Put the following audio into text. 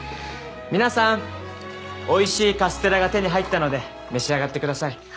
皆さんおいしいカステラが手に入ったので召し上がってください。